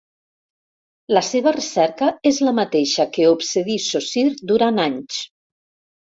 La seva recerca és la mateixa que obsedí Saussure durant anys.